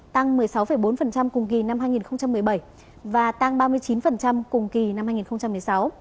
tăng một mươi sáu bốn cùng kỳ năm hai nghìn một mươi bảy và tăng ba mươi chín cùng kỳ năm hai nghìn một mươi sáu